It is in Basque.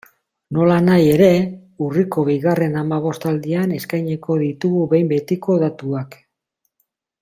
Nolanahi ere, urriko bigarren hamabostaldian eskainiko ditugu behin betiko datuak.